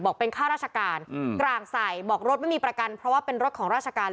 เป็นค่าราชการกลางใส่บอกรถไม่มีประกันเพราะว่าเป็นรถของราชการ